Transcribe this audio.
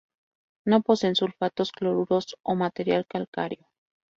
No poseen sulfatos, cloruros, o material calcáreo.